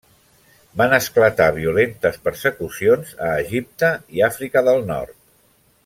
Van esclatar violentes persecucions a Egipte i Àfrica del Nord.